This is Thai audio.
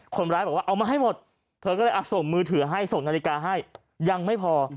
คนร้ายบอกว่าเอามาให้หมดเธอก็เลยส่งมือถือให้ส่งนาฬิกาให้ยังไม่พอ